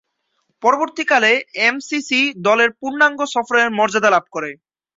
পরবর্তীকালে এমসিসি দলের পূর্ণাঙ্গ সফরের মর্যাদা লাভ করে।